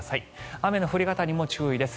雨の降り方にも注意です。